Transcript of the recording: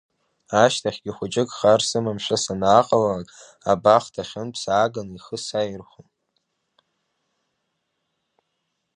Ашьҭахьгьы хәыҷык хар сымамшәа санааҟалалак, абахҭахьынтә сааганы ихы саирхәон.